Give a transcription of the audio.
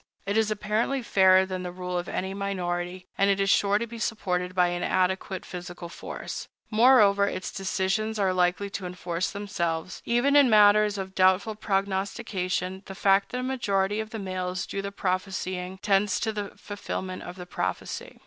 It is apparently fairer than the rule of any minority, and it is sure to be supported by an adequate physical force. Moreover, its decisions are likely to enforce themselves. Even in maters of doubtful prognostication, the fact that a majority of the males do the prophesying tends to the fulfillment of the prophecy.